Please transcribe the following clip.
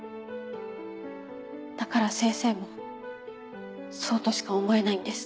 だから先生もそうとしか思えないんです。